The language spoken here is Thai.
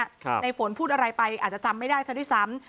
ในฝนพูดอะไรไปอาจจะจำไม่ได้ซะด้วยซ้ำ